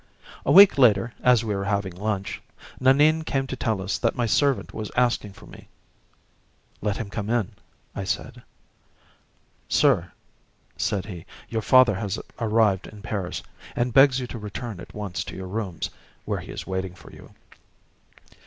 A week later, as we were having lunch, Nanine came to tell us that my servant was asking for me. "Let him come in," I said. "Sir," said he, "your father has arrived in Paris, and begs you to return at once to your rooms, where he is waiting for you."